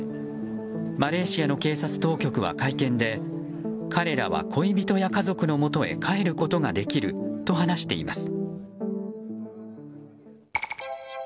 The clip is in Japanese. マレーシアの警察当局は会見で彼らは恋人や家族のもとへ帰ることができると話しています。